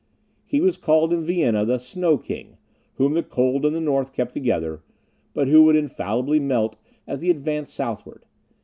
He was called in Vienna the Snow King, whom the cold of the north kept together, but who would infallibly melt as he advanced southward.